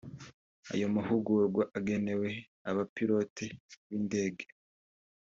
Ayo mahugurwa agenewe abapilote b’indege